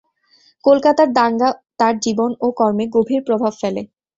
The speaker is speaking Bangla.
কলকাতার দাঙ্গা তার জীবন ও কর্মে গভীর প্রভাব ফেলে।